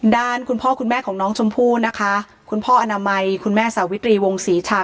ด้านคุณพ่อคุณแม่ของน้องชมพู่นะคะคุณพ่ออนามัยคุณแม่สาวิตรีวงศรีชา